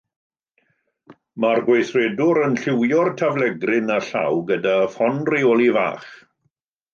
Mae'r gweithredwr yn llywio'r taflegryn â llaw gyda ffon reoli fach.